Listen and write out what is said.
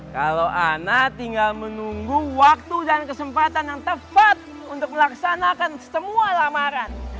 kalau anak tinggal menunggu waktu dan kesempatan yang tepat untuk melaksanakan semua lamaran